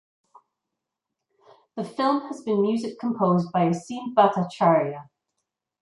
The film has been music composed by Asim Bhattacharya.